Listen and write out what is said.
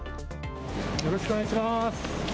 よろしくお願いします。